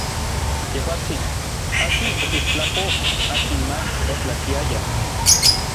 Yejuatsin, akin okixtlapoj akin mach otlachiaya.